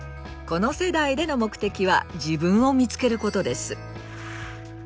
この世代での目的は“自分を見つける”ことです。